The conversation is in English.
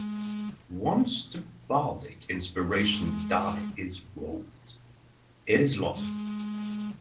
Once the Bardic Inspiration die is rolled, it is lost.